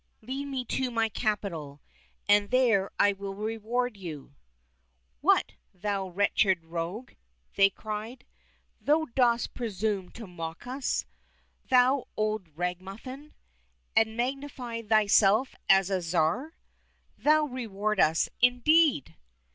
Lead me to my capital, and there I will reward you !"—'' What, thou wretched rogue !" they cried, " thou dost presume to mock us, thou old ragamuffin, and magnify thyself into a Tsar ! Thou reward us, indeed